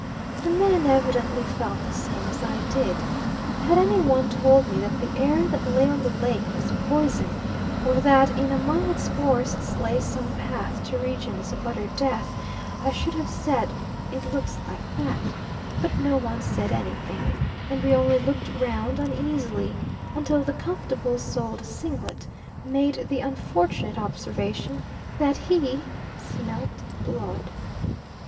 The men evidently felt the same as I did. Had any one told me that the air that lay on the lake was poison, or that in among its forests lay some path to regions of utter death, I should have said "It looks like that"; but no one said anything, and we only looked round uneasily, until the comfortable souled Singlet made the unfortunate observation that he "smelt blood."